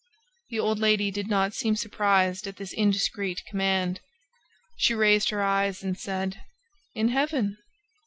The old lady did not seem surprised at this indiscreet command. She raised her eyes and said: "In Heaven!"